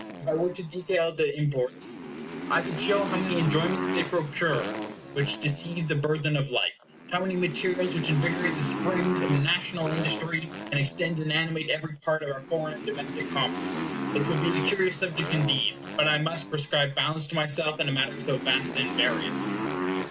If I were to detail the imports, I could show how many enjoyments they procure which deceive the burthen of life; how many materials which invigorate the springs of national industry, and extend and animate every part of our foreign and domestic commerce. This would be a curious subject indeed; but I must prescribe bounds to myself in a matter so vast and various.